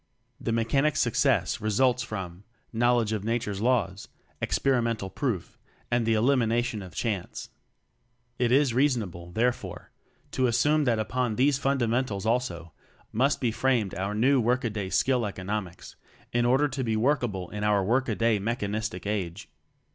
The Mechanic's success results from: knowledge of Nature's laws; experimental proof; and the elim ination of "chance." It is reasonable, therefore, to assume that upon these fundamentals also must be framed our new work a day Skill economics, in order to be workable in our work a day Mechan istic Age.